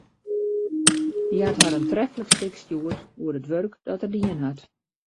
Hy hat har in treflik stik stjoerd oer it wurk dat er dien hat.